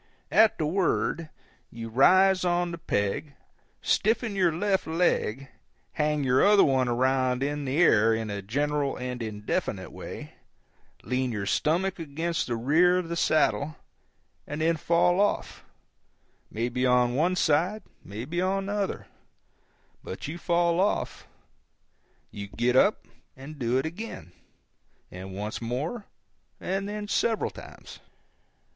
At the word, you rise on the peg, stiffen your left leg, hang your other one around in the air in a general in indefinite way, lean your stomach against the rear of the saddle, and then fall off, maybe on one side, maybe on the other; but you fall off. You get up and do it again; and once more; and then several times.